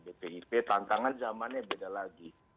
bpip tantangan zamannya beda lagi